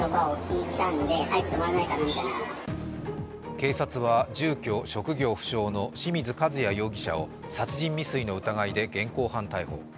警察は住居・職業不詳の、清水和也容疑者を殺人未遂の疑いで現行犯逮捕。